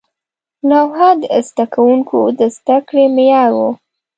لوحه د زده کوونکو د زده کړې معیار و.